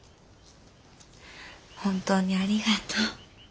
本当にありがとう。